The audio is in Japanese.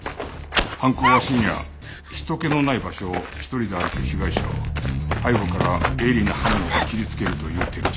犯行は深夜人けのない場所を一人で歩く被害者を背後から鋭利な刃物で切りつけるという手口。